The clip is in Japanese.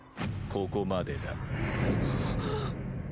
ここまで？